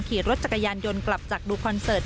ขี่รถจักรยานยนต์กลับจากดูคอนเสิร์ต